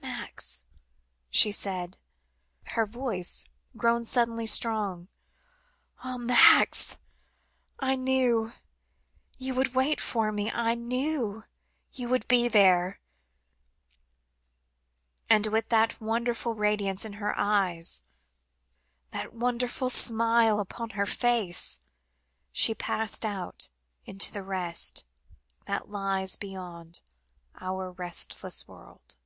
"Max," she said, her voice grown suddenly strong. "Ah! Max I knew you would wait for me. I knew you would be there," and with that wonderful radiance in her eyes, that wonderful smile upon her face, she had passed out into the Rest, that lies about our restless world.